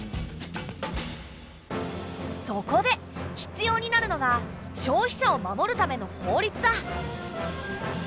そこで必要になるのが消費者を守るための法律だ。